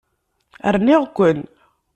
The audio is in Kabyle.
Rniɣ-ken.